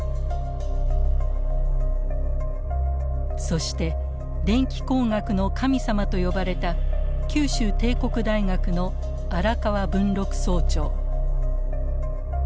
そして電気工学の神様と呼ばれた九州帝国大学の荒川文六総長。